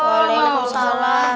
boleh nggak usah salah